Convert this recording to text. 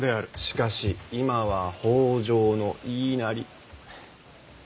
しかし今は北条の言いなり。